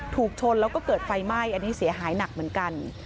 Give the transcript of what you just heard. ถูกชนแล้วก็เกิดไฟไหม้อันนี้เสียหายหนักเหมือนกัน